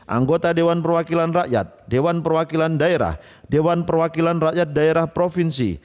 anggota dewan perwakilan rakyat dewan perwakilan daerah dewan perwakilan rakyat daerah provinsi